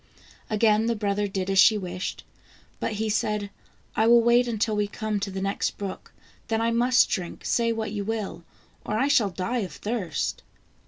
Again the brother did as she wished, but he said :" I will wait until we come to the next brook, then I must drink, say what you will, or I shall die of thirst."